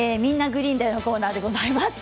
グリーンだよ」のコーナーでございます。